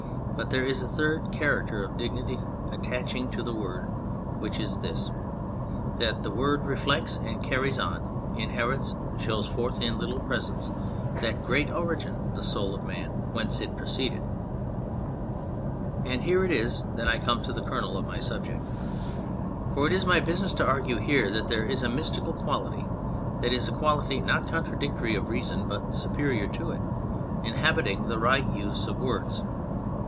But there is a third character of dignity attaching to the Word, which is this : that the Word reflects and carries on, inherits, shows forth in little, presents, that great origin the soul of man, whence it proceeded ; and here it is that I come to the kernel of my subject. For it is my business to argue here that there is a mystical quality that is, a quality not contradictory of reason but superior to it inhabiting the right use of Words.